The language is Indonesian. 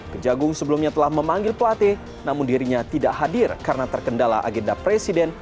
kejagung sebelumnya telah memanggil pelatih namun dirinya tidak hadir karena terkendala agenda presiden